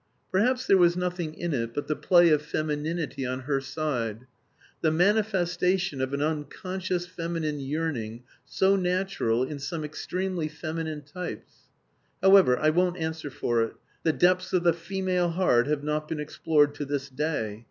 Perhaps there was nothing in it but the play of femininity on her side; the manifestation of an unconscious feminine yearning so natural in some extremely feminine types. However, I won't answer for it; the depths of the female heart have not been explored to this day.